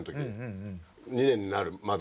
２年になるまでの。